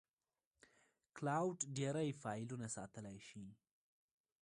کلاوډ ډېری فایلونه ساتلی شي.